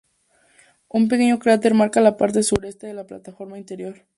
Un pequeño cráter marca la parte sureste de la plataforma interior.